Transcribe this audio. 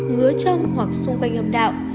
ngứa trong hoặc xung quanh âm đạo